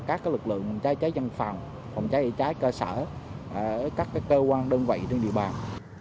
cho các lực lượng phòng cháy chữa cháy dân phòng phòng cháy chữa cháy cơ sở các cơ quan đơn vị trên địa bàn